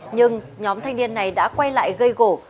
nhưng nhóm thanh niên này đã quay lại gây gỗ